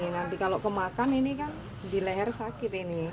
nanti kalau kemakan ini kan di leher sakit ini